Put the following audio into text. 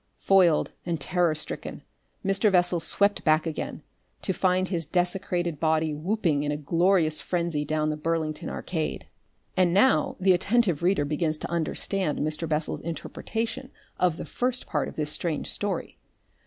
Foiled and terror stricken, Mr. Bessel swept back again, to find his desecrated body whooping in a glorious frenzy down the Burlington Arcade.... And now the attentive reader begins to understand Mr. Bessel's interpretation of the first part of this strange story.